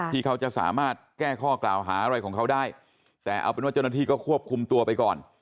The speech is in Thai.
ที่เขาจะสามารถแก้ข้อกล่าวหาอะไรของเขาได้แต่เอาเป็นว่าเจ้าหน้าที่ก็ควบคุมตัวไปก่อน